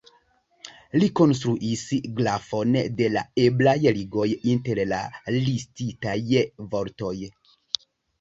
Li konstruis grafon de la eblaj ligoj inter la listitaj vortoj.